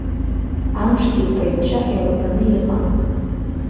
Амшгьы каҷҷа еилганы иҟан.